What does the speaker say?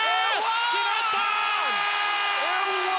決まった！